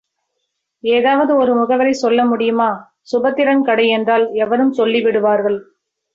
ஏதாவது ஒரு முகவரி சொல்ல முடியுமா? சுபத்திரன் கடை என்றால் எவரும் சொல்லி விடுவார்கள்.